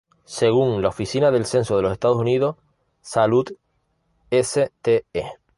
Según la Oficina del Censo de los Estados Unidos, Sault Ste.